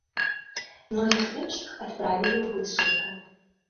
Многіх іншых адправілі ў высылку.